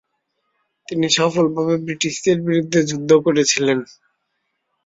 তিনি সফলভাবে ব্রিটিশদের বিরুদ্ধে যুদ্ধ করেছিলেন।